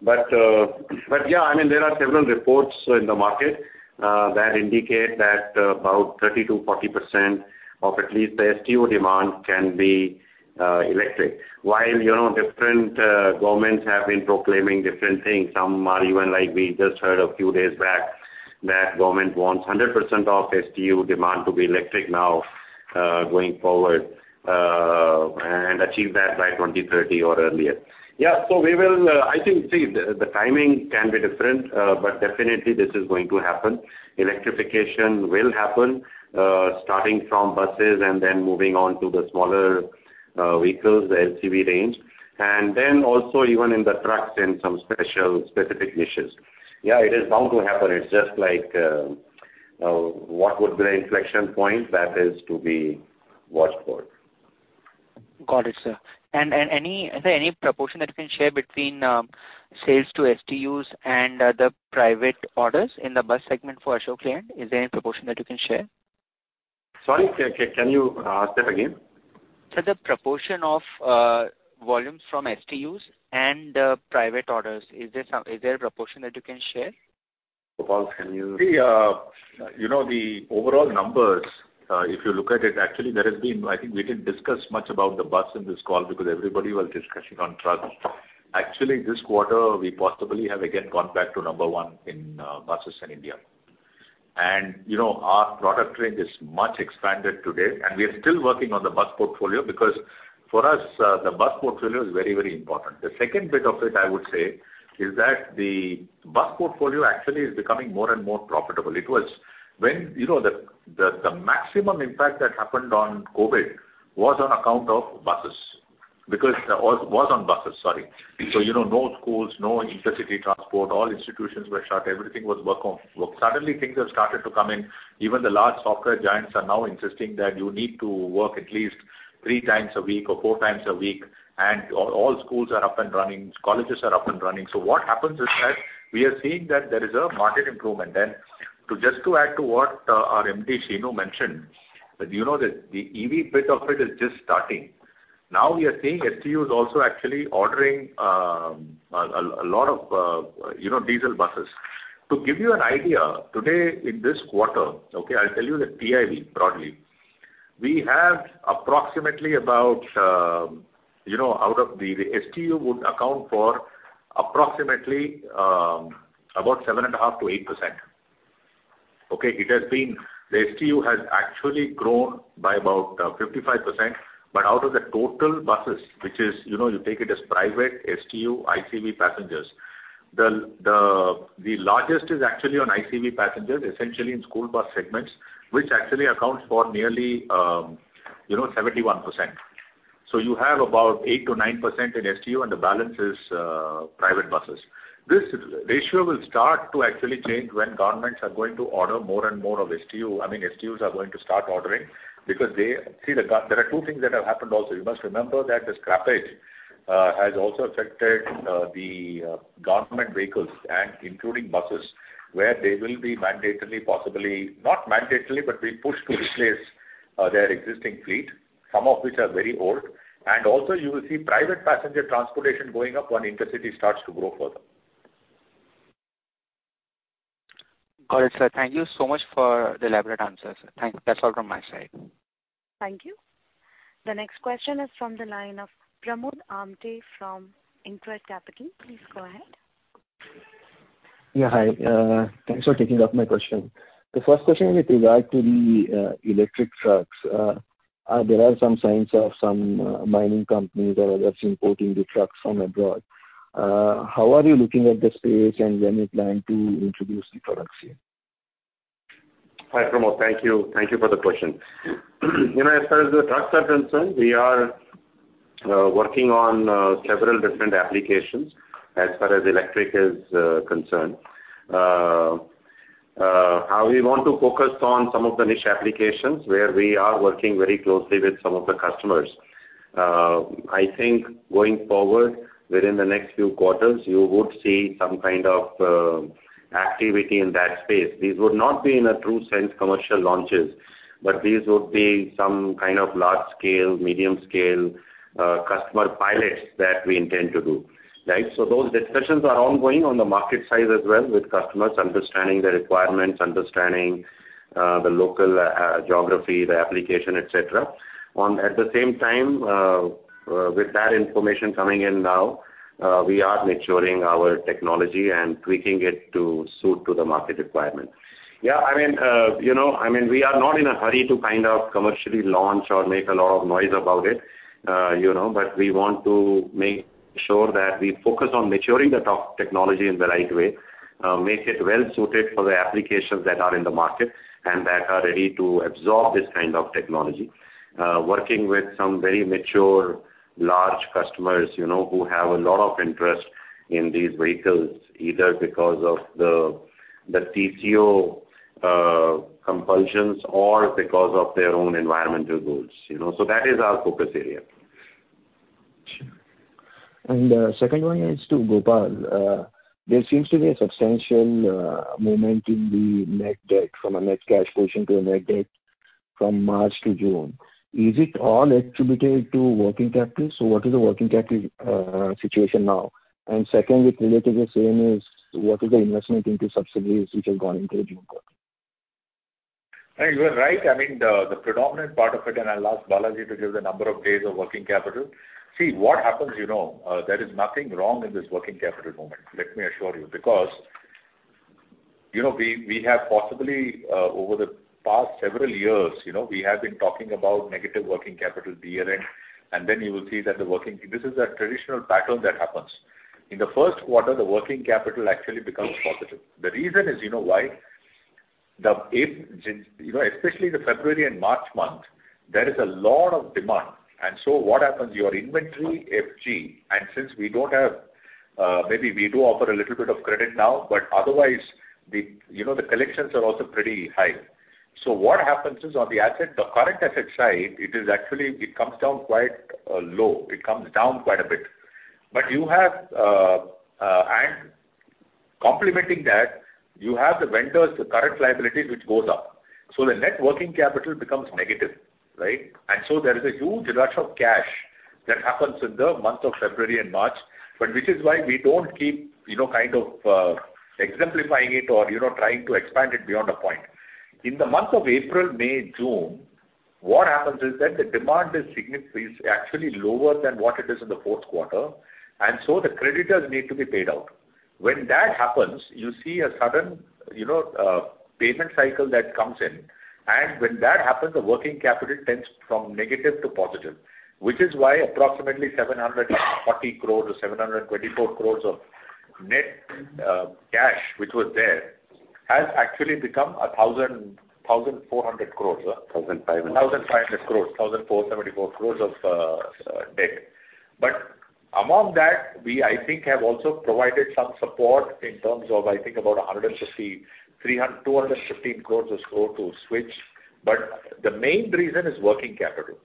But yeah, I mean, there are several reports in the market that indicate that about 30%-40% of at least the STU demand can be electric. You know, different governments have been proclaiming different things, some are even like we just heard a few days back, that government wants 100% of STU demand to be electric now. Going forward, and achieve that by 2030 or earlier. Yeah, we will, I think, see, the timing can be different, but definitely this is going to happen. Electrification will happen, starting from buses and then moving on to the smaller, vehicles, the LCV range, and then also even in the trucks in some special, specific niches. Yeah, it is bound to happen. It is just like, what would be the inflection point that is to be watched for. Got it, sir. Is there any proportion that you can share between sales to STUs and the private orders in the bus segment for Ashok Leyland? Is there any proportion that you can share? Sorry, can you say it again? Sir, the proportion of volumes from STUs and private orders, is there a proportion that you can share? Gopal, can you- See, you know, the overall numbers, if you look at it, actually, there has been. I think we didn't discuss much about the bus in this call because everybody was discussing on trucks. Actually, this quarter, we possibly have again gone back to number one in buses in India. You know, our product range is much expanded today, and we are still working on the bus portfolio because for us, the bus portfolio is very, very important. The second bit of it, I would say, is that the bus portfolio actually is becoming more and more profitable. It was when, you know, the maximum impact that happened on COVID was on account of buses, because was on buses, sorry. You know, no schools, no intercity transport, all institutions were shut, everything was work on. Suddenly, things have started to come in. Even the large software giants are now insisting that you need to work at least 3x a week or 4x a week. All schools are up and running, colleges are up and running. What happens is that we are seeing that there is a market improvement. To just to add to what our MD, Sheenu, mentioned, that you know, the EV bit of it is just starting. Now we are seeing STUs also actually ordering a lot of, you know, diesel buses. To give you an idea, today, in this quarter, okay, I'll tell you the PIV, broadly. We have approximately about, you know, out of the STU would account for approximately 7.5%-8%. It has been, the STU has actually grown by about 55%. Out of the total buses, which is, you know, you take it as private, STU, ICV passengers, the largest is actually on ICV passengers, essentially in school bus segments, which actually accounts for nearly, you know, 71%. You have about 8%-9% in STU, and the balance is private buses. This ratio will start to actually change when governments are going to order more and more of STU, I mean, STUs are going to start ordering because they. See, there are two things that have happened also. You must remember that the scrappage has also affected the government vehicles and including buses, where they will be mandatorily, possibly, not mandatorily, but be pushed to replace their existing fleet, some of which are very old. Also, you will see private passenger transportation going up when intercity starts to grow further. Got it, sir. Thank you so much for the elaborate answers. Thank you. That's all from my side. Thank you. The next question is from the line of Pramod Amthe from InCred Capital. Please go ahead. Yeah, hi. Thanks for taking up my question. The first question with regard to the electric trucks, there are some signs of some mining companies that are just importing the trucks from abroad. How are you looking at the space, and when you plan to introduce the products here? Hi, Pramod, thank you. Thank you for the question. You know, as far as the trucks are concerned, we are working on several different applications as far as electric is concerned. We want to focus on some of the niche applications where we are working very closely with some of the customers. I think going forward, within the next few quarters, you would see some kind of activity in that space. These would not be in a true sense, commercial launches, but these would be some kind of large scale, medium scale, customer pilots that we intend to do, right? Those discussions are ongoing on the market side as well, with customers understanding their requirements, understanding the local geography, the application, etc. At the same time, with that information coming in now, we are maturing our technology and tweaking it to suit to the market requirement. Yeah, I mean, you know, I mean, we are not in a hurry to kind of commercially launch or make a lot of noise about it, you know, but we want to make sure that we focus on maturing the top technology in the right way, make it well-suited for the applications that are in the market and that are ready to absorb this kind of technology. Working with some very mature, large customers, you know, who have a lot of interest in these vehicles, either because of the TCO, compulsions or because of their own environmental goals, you know. That is our focus area. Second one is to Gopal. There seems to be a substantial movement in the net debt from a net cash position to a net debt from March to June. Is it all attributable to working capital? What is the working capital situation now? Second, with related to the same, is what is the investment into subsidies which have gone into the June quarter? Hey, you are right. I mean, the predominant part of it, and I'll ask Balaji to give the number of days of working capital. See, what happens, you know, there is nothing wrong in this working capital moment, let me assure you, because... You know, we have possibly, over the past several years, you know, we have been talking about negative working capital year-end. You will see that this is a traditional pattern that happens. In the first quarter, the working capital actually becomes positive. The reason is, you know why? The, you know, especially the February and March month, there is a lot of demand. What happens, your inventory, FG, and since we don't have, maybe we do offer a little bit of credit now, but otherwise, the, you know, the collections are also pretty high. What happens is, on the asset, the current asset side, it is actually, it comes down quite low. It comes down quite a bit. You have, and complementing that, you have the vendors, the current liability, which goes up. The net working capital becomes negative, right? There is a huge rush of cash that happens in the month of February and March, but which is why we don't keep, you know, kind of exemplifying it or, you know, trying to expand it beyond a point. In the month of April, May, June, what happens is that the demand is actually lower than what it is in the fourth quarter. The creditors need to be paid out. When that happens, you see a sudden, you know, payment cycle that comes in. When that happens, the working capital tends from negative to positive, which is why approximately 740 crore-724 crores of net cash, which was there, has actually become 1,400 crores. 1,500. 1,500 crores, 1,474 crores of debt. Among that, we, I think, have also provided some support in terms of, I think, about 150, 215 crores or so to Switch. The main reason is working capital.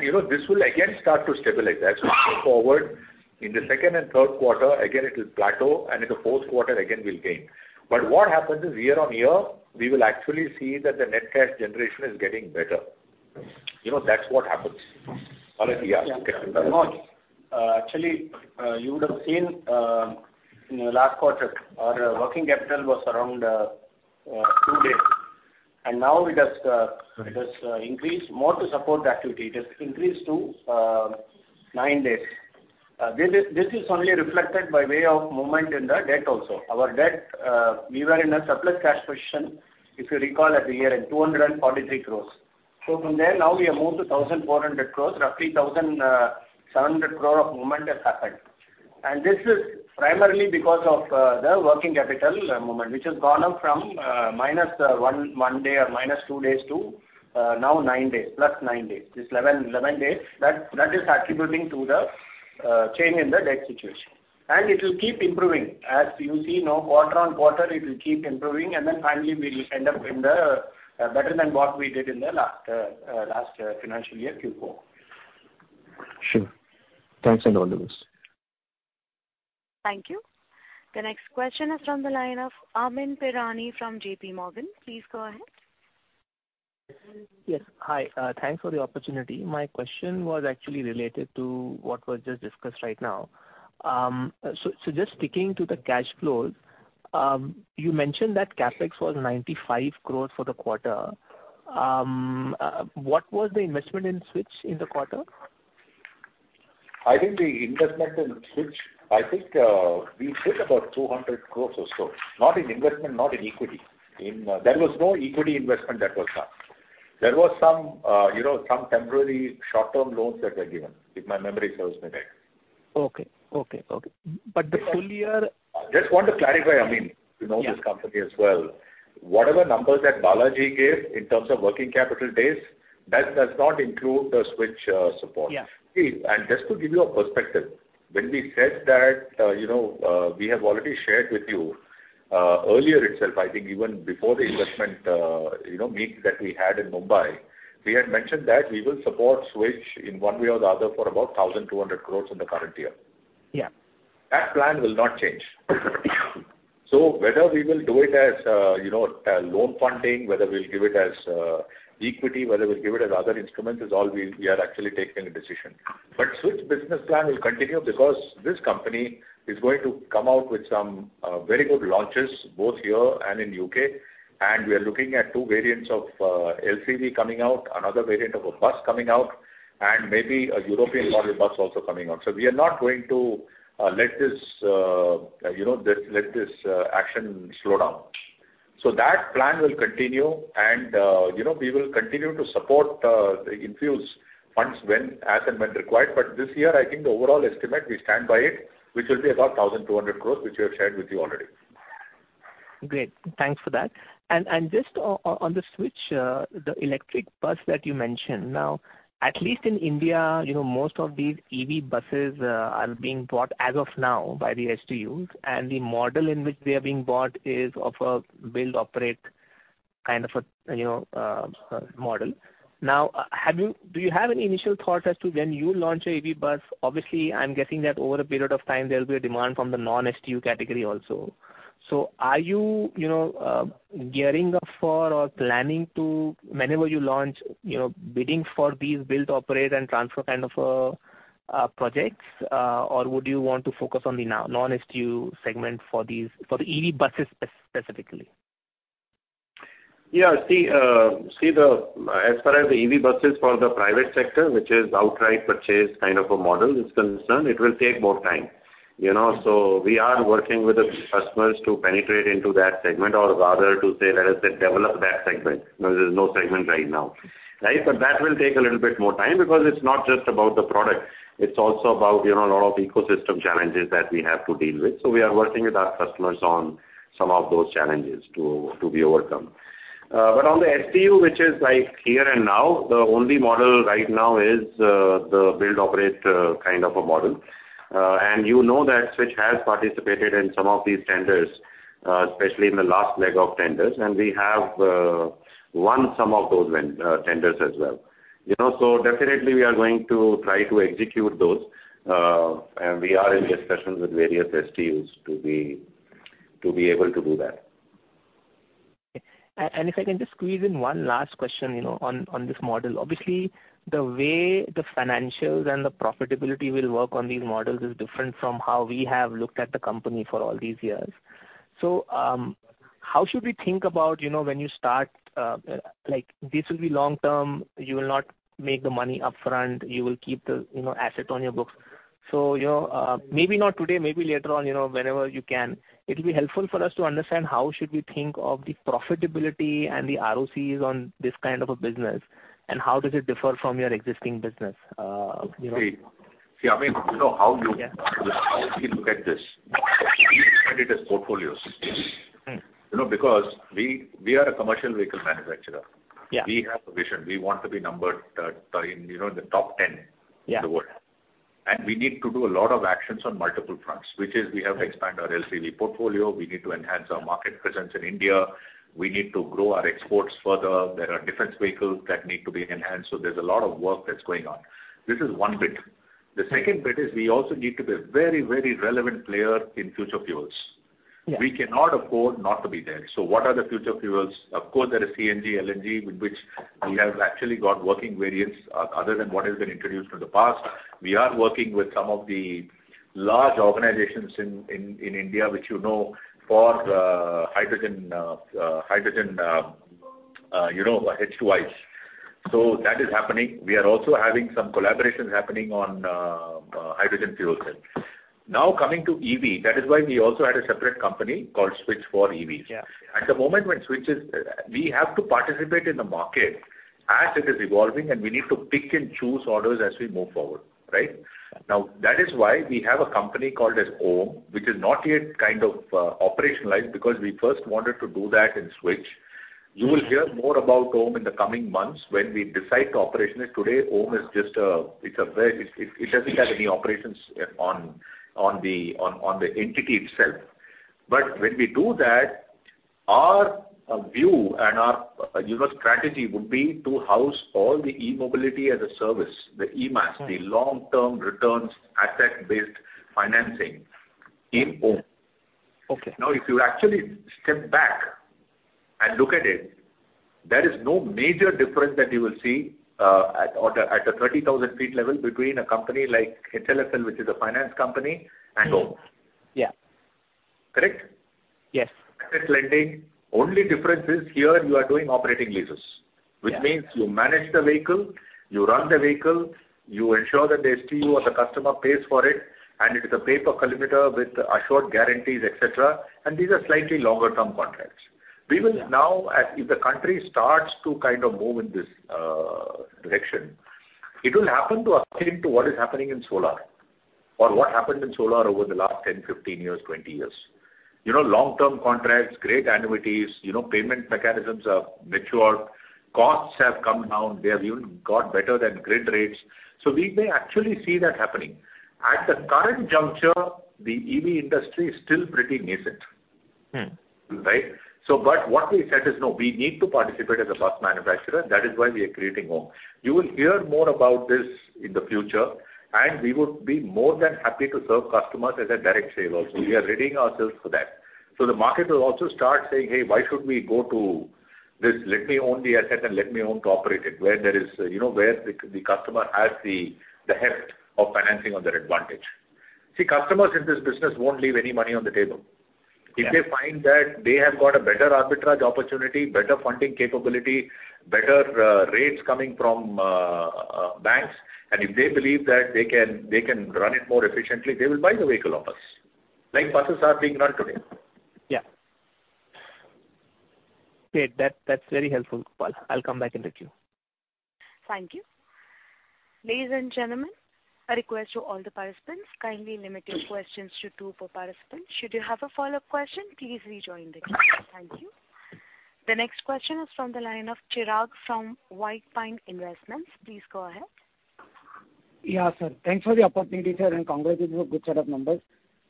You know, this will again start to stabilize. As we go forward, in the second and third quarter, again, it will plateau. In the fourth quarter, again, we'll gain. What happens is, year-on-year, we will actually see that the net cash generation is getting better. You know, that's what happens. Balaji, yeah? Actually, you would have seen in the last quarter, our working capital was around two days, and now it has increased more to support the activity. It has increased to nine days. This is only reflected by way of movement in the debt also. Our debt, we were in a surplus cash position, if you recall, at the year-end, 243 crores. From there, now we have moved to 1,400 crores. Roughly 1,700 crore of movement has happened. This is primarily because of the working capital movement, which has gone up from -1 day or -two days to now nine days, plus nine days. It's 11 days. That is attributing to the change in the debt situation. It will keep improving. As you see now, quarter on quarter, it will keep improving, finally we will end up in the better than what we did in the last financial year, Q4. Sure. Thanks, all the best. Thank you. The next question is from the line of Amyn Pirani from JPMorgan. Please go ahead. Yes. Hi, thanks for the opportunity. My question was actually related to what was just discussed right now. Just sticking to the cash flows, you mentioned that CapEx was 95 crores for the quarter. What was the investment in Switch in the quarter? I think the investment in Switch, I think, we did about 200 crores or so. Not in investment, not in equity. There was no equity investment that was done. There was some, you know, some temporary short-term loans that were given, if my memory serves me right. Okay, okay. Just want to clarify, Amyn, you know this company as well. Yeah. Whatever numbers that Balaji gave in terms of working capital days, that does not include the Switch support. Yeah. See, just to give you a perspective, when we said that, you know, we have already shared with you earlier itself, I think even before the investment, you know, meet that we had in Mumbai, we had mentioned that we will support Switch in one way or the other for about 1,200 crores in the current year. Yeah. That plan will not change. Whether we will do it as, you know, as loan funding, whether we will give it as equity, whether we will give it as other instruments, is all we are actually taking a decision. Switch business plan will continue because this company is going to come out with some very good launches, both here and in U.K., and we are looking at two variants of LCV coming out, another variant of a bus coming out, and maybe a European model bus also coming out. We are not going to let this, you know, let this action slow down. That plan will continue and, you know, we will continue to support infuse funds as and when required. This year, I think the overall estimate, we stand by it, which will be about 1,200 crores, which we have shared with you already. Great. Thanks for that. Just on the Switch, the electric bus that you mentioned, now, at least in India, you know, most of these EV buses are being bought as of now by the STUs, and the model in which they are being bought is of a build, operate, kind of a, you know, model. Do you have any initial thought as to when you launch a EV bus? Obviously, I'm guessing that over a period of time, there will be a demand from the non-STU category also. Are you know, gearing up for or planning to, whenever you launch, you know, bidding for these build, operate, and transfer kind of projects, or would you want to focus on the non-STU segment for the EV buses specifically? Yeah, see, as far as the EV buses for the private sector, which is outright purchase kind of a model is concerned, it will take more time, you know? We are working with the customers to penetrate into that segment, or rather, to say, let us say, develop that segment. There's no segment right now, right? That will take a little bit more time, because it's not just about the product, it's also about, you know, a lot of ecosystem challenges that we have to deal with. We are working with our customers on some of those challenges to be overcome. On the STU, which is like here and now, the only model right now is, the build-operate kind of a model. You know that Switch has participated in some of these tenders, especially in the last leg of tenders, and we have won some of those tenders as well. Definitely we are going to try to execute those, and we are in discussions with various STUs to be able to do that. If I can just squeeze in one last question, you know, on this model. Obviously, the way the financials and the profitability will work on these models is different from how we have looked at the company for all these years. How should we think about, you know, when you start, this will be long term, you will not make the money upfront, you will keep the, you know, asset on your books. You know, maybe not today, maybe later on, you know, whenever you can, it'll be helpful for us to understand how should we think of the profitability and the ROCs on this kind of a business, and how does it differ from your existing business, you know? See, I mean, you know... Yeah. How do we look at this? We look at it as portfolios You know, we are a commercial vehicle manufacturer. Yeah. We have a vision. We want to be number, you know, in the top 10. Yeah In the world. We need to do a lot of actions on multiple fronts, which is we have to expand our LCV portfolio, we need to enhance our market presence in India, we need to grow our exports further. There are defense vehicles that need to be enhanced. There's a lot of work that's going on. This is one bit. The second bit is we also need to be a very, very relevant player in future fuels. Yeah. We cannot afford not to be there. What are the future fuels? Of course, there is CNG, LNG, with which we have actually got working variants other than what has been introduced in the past. We are working with some of the large organizations in India, which you know, for hydrogen, you know, H2ICE. That is happening. We are also having some collaborations happening on hydrogen fuel cells. Coming to EV, that is why we also had a separate company called Switch for EVs. Yeah. At the moment, when Switch is. We have to participate in the market as it is evolving. We need to pick and choose orders as we move forward, right? That is why we have a company called as OHM, which is not yet kind of operationalized, because we first wanted to do that in Switch. You will hear more about OHM in the coming months when we decide to operationalize. Today, OHM is just a, it doesn't have any operations on the entity itself. When we do that, our view and our, you know, strategy would be to house all the eMobility as a Service, the eMaaS the long-term returns, asset-based financing in OHM. Okay. If you actually step back and look at it, there is no major difference that you will see, at or at a 30,000 ft level between a company like HLFL, which is a finance company, and OHM. Yeah. Correct? Yes. Asset lending. Only difference is here you are doing operating leases. Yeah. Which means you manage the vehicle, you run the vehicle, you ensure that the STU or the customer pays for it, and it is a pay per kilometer with assured guarantees, et cetera, and these are slightly longer term contracts. Yeah. We will now, as if the country starts to kind of move in this direction, it will happen to akin to what is happening in solar, or what happened in solar over the last 10, 15 years, 20 years. You know, long-term contracts, great annuities, you know, payment mechanisms are matured, costs have come down, they have even got better than grid rates. So we may actually see that happening. At the current juncture, the EV industry is still pretty nascent. Right? But what we said is, "No, we need to participate as a bus manufacturer," that is why we are creating OHM. You will hear more about this in the future, and we would be more than happy to serve customers as a direct sale also. We are readying ourselves for that. The market will also start saying: Hey, why should we go to this? Let me own the asset and let me own to operate it. Where there is, you know, where the customer has the heft of financing on their advantage. See, customers in this business won't leave any money on the table. Yeah. If they find that they have got a better arbitrage opportunity, better funding capability, better rates coming from banks, and if they believe that they can run it more efficiently, they will buy the vehicle of us, like buses are being run today. Yeah. Great, that's very helpful, Gopal. I'll come back in the queue. Thank you. Ladies and gentlemen, a request to all the participants, kindly limit your questions to two per participant. Should you have a follow-up question, please rejoin the queue. Thank you. The next question is from the line of Chirag from White Pine Investments. Please go ahead. Sir. Thanks for the opportunity, sir, congratulations for good set of numbers.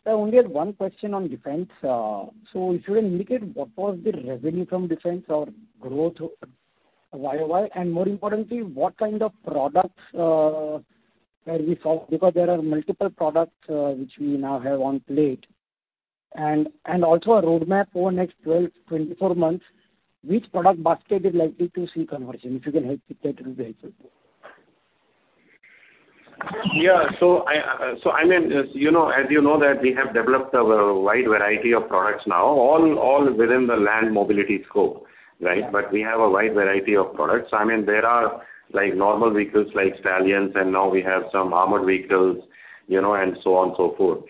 I only had one question on defense. If you can indicate what was the revenue from defense or growth YoY? More importantly, what kind of products have we saw? There are multiple products which we now have on plate. Also a roadmap for next 12, 24 months, which product basket is likely to see conversion, if you can help with that, it will be helpful. Yeah, I mean, as you know, that we have developed a wide variety of products now, all within the land mobility scope, right? We have a wide variety of products. I mean, there are, like, normal vehicles, like Stallions, and now we have some armored vehicles, you know, and so on, so forth.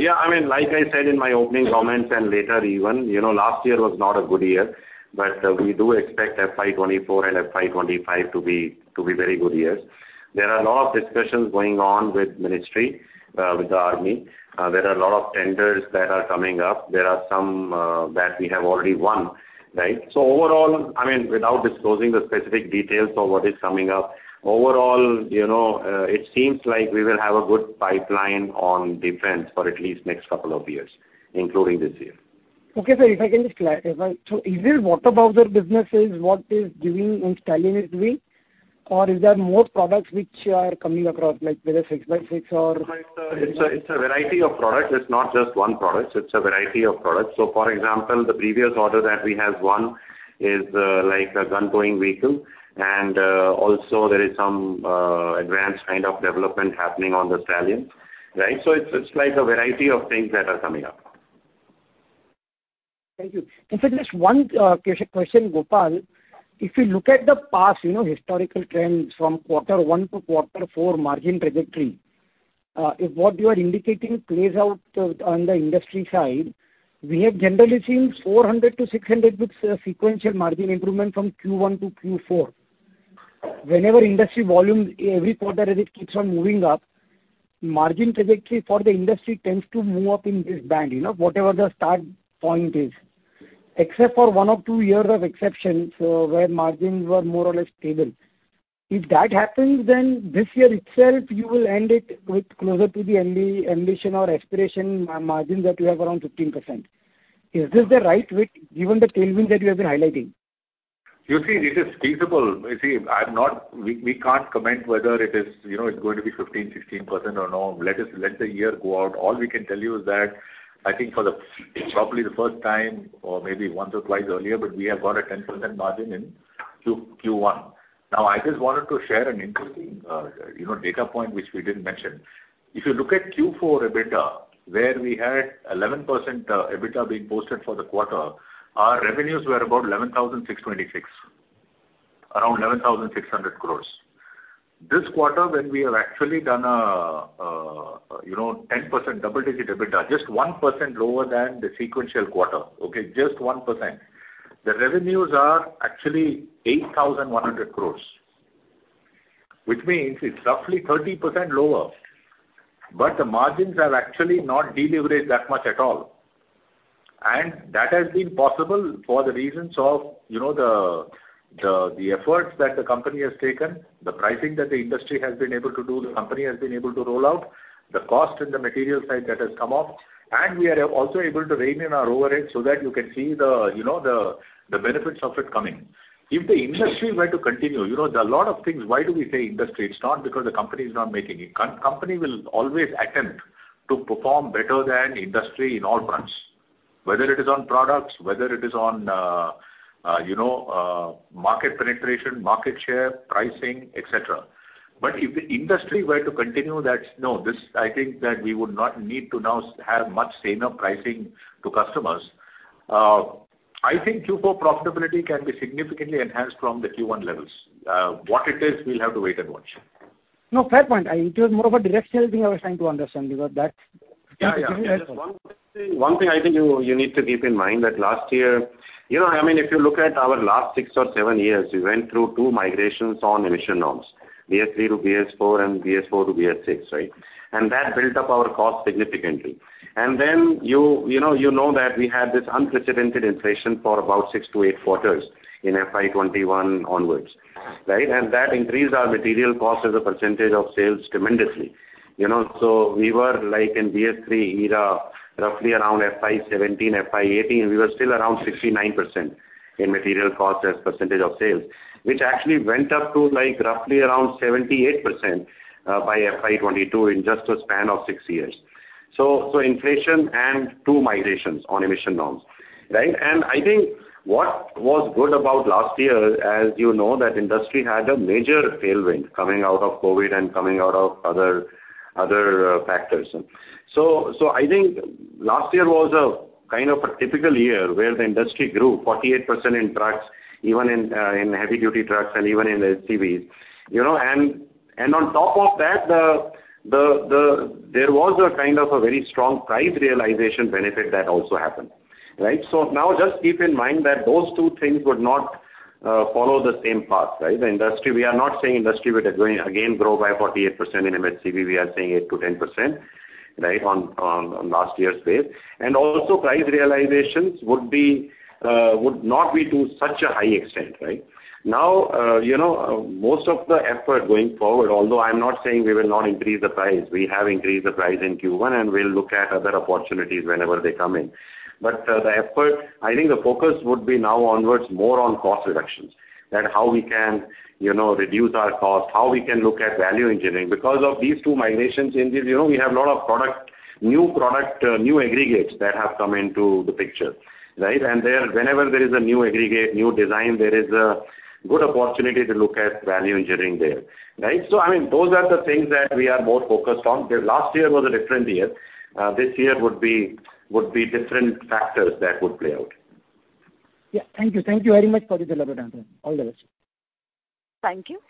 Yeah, I mean, like I said in my opening comments and later even, you know, last year was not a good year, but we do FY 2024 FY 2025 to be very good years. There are a lot of discussions going on with ministry, with the army. There are a lot of tenders that are coming up. There are some that we have already won, right? Overall, I mean, without disclosing the specific details of what is coming up, overall, you know, it seems like we will have a good pipeline on defense for at least next couple of years, including this year. Okay, sir, if I can just clarify. Is it what about the businesses, what is giving in Stallion's way, or is there more products which are coming across, like whether six by six? It's a variety of products. It's not just one product, it's a variety of products. For example, the previous order that we have won is like a gun towing vehicle, and also there is some advanced kind of development happening on the Stallion, right? It's like a variety of things that are coming up. Thank you. Just one question, Gopal. If you look at the past, you know, historical trends from Q1-Q4 margin trajectory, if what you are indicating plays out on the industry side, we have generally seen 400-600 with sequential margin improvement from Q1-Q4. Whenever industry volumes, every quarter, it keeps on moving up, margin trajectory for the industry tends to move up in this band, you know, whatever the start point is. Except for one or two years of exception, where margins were more or less stable. If that happens, then this year itself, you will end it with closer to the ambition or aspiration margins that you have around 15%. Is this the right way, given the tailwind that you have been highlighting? You see, this is feasible. You see, we can't comment whether it is, you know, it's going to be 15%, 16% or not. Let us, let the year go out. All we can tell you is that I think for the, probably the first time, or maybe once or twice earlier, but we have got a 10% margin in Q1. I just wanted to share an interesting, you know, data point, which we didn't mention. If you look at Q4 EBITDA, where we had 11% EBITDA being posted for the quarter, our revenues were about 11,626 crores, around 11,600 crores. This quarter, when we have actually done a, you know, 10% double-digit EBITDA, just 1% lower than the sequential quarter, okay, just 1%. The revenues are actually 8,100 crores, which means it's roughly 30% lower, but the margins have actually not deleveraged that much at all. That has been possible for the reasons of, you know, the, the efforts that the company has taken, the pricing that the industry has been able to do, the company has been able to roll out, the cost in the material side that has come off, and we are also able to rein in our overhead so that you can see the, you know, the benefits of it coming. If the industry were to continue, you know, there are a lot of things. Why do we say industry? It's not because the company is not making it. Company will always attempt to perform better than industry in all fronts, whether it is on products, whether it is on, you know, market penetration, market share, pricing, et cetera. If the industry were to continue that, I think that we would not need to now have much saner pricing to customers. I think Q4 profitability can be significantly enhanced from the Q1 levels. What it is, we'll have to wait and watch. No, fair point. It was more of a directional thing I was trying to understand. Yeah. One thing I think you need to keep in mind that last year. You know, I mean, if you look at our last six or seven years, we went through two migrations on emission norms, BS3 to BS4 and BS4 to BS6, right? That built up our cost significantly. Then you know that we had this unprecedented inflation for about six to eight quarters in FY 2021 onwards, right? That increased our material cost as a percentage of sales tremendously, you know. We were like in BS3 era, roughly around FY 2017, FY 2018, we were still around 69% in material cost as percentage of sales, which actually went up to, like, roughly around 78% by FY 2022 in just a span of six years. Inflation and two migrations on emission norms, right? What was good about last year, as you know, that industry had a major tailwind coming out of COVID and coming out of other factors. Last year was a kind of a typical year where the industry grew 48% in trucks, even in heavy duty trucks and even in LCVs. On top of that, there was a kind of a very strong price realization benefit that also happened, right? Just keep in mind that those two things would not follow the same path, right? The industry, we are not saying industry will going, again, grow by 48% in MHCV, we are saying 8%-10%, right, on last year's base. Price realizations would be, would not be to such a high extent, right? You know, most of the effort going forward, although I'm not saying we will not increase the price, we have increased the price in Q1, and we'll look at other opportunities whenever they come in. The effort, I think the focus would be now onwards, more on cost reductions, that how we can, you know, reduce our cost, how we can look at value engineering. Because of these two migration changes, you know, we have a lot of product, new product, new aggregates that have come into the picture, right? Whenever there is a new aggregate, new design, there is a good opportunity to look at value engineering there, right? I mean, those are the things that we are more focused on. The last year was a different year. This year would be different factors that would play out. Yeah, thank you. Thank you very much for the elaborate answer. All the best. Thank you.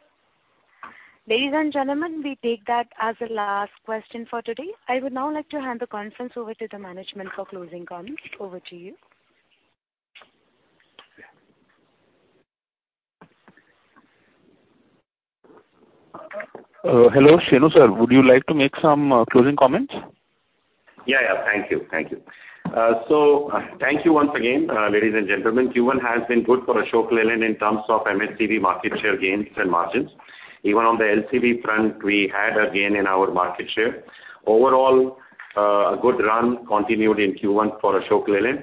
Ladies and gentlemen, we take that as the last question for today. I would now like to hand the conference over to the management for closing comments. Over to you. Hello, Shenu, sir. Would you like to make some closing comments? Yeah, yeah. Thank you. Thank you. Thank you once again, ladies and gentlemen. Q1 has been good for Ashok Leyland in terms of MHCV market share gains and margins. Even on the LCV front, we had a gain in our market share. Overall, a good run continued in Q1 for Ashok Leyland.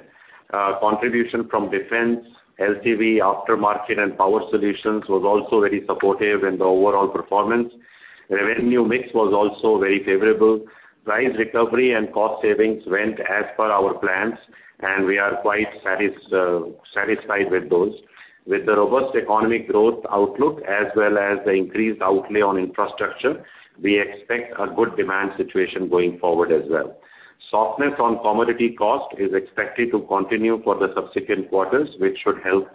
Contribution from defense, LCV, aftermarket, and power solutions was also very supportive in the overall performance. Revenue mix was also very favorable. Price recovery and cost savings went as per our plans, and we are quite satisfied with those. With the robust economic growth outlook as well as the increased outlay on infrastructure, we expect a good demand situation going forward as well. Softness on commodity cost is expected to continue for the subsequent quarters, which should help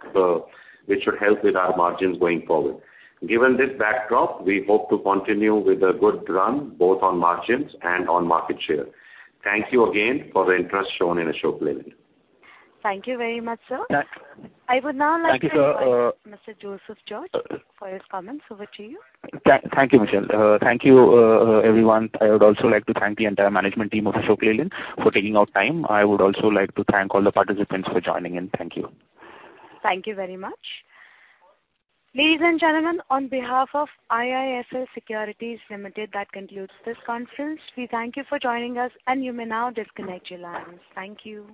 with our margins going forward. Given this backdrop, we hope to continue with a good run, both on margins and on market share. Thank you again for the interest shown in Ashok Leyland. Thank you very much, sir. Thank- I would now like to. Thank you, sir. Mr. Joseph George, for your comments. Over to you. Thank you, Michelle. Thank you, everyone. I would also like to thank the entire management team of Ashok Leyland for taking out time. I would also like to thank all the participants for joining in. Thank you. Thank you very much. Ladies and gentlemen, on behalf of IIFL Securities Limited, that concludes this conference. We thank you for joining us. You may now disconnect your lines. Thank you.